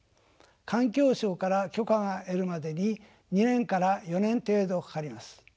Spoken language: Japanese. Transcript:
環境省から許可が出るまでに２年から４年程度かかります。